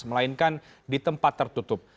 melainkan di tempat tertutup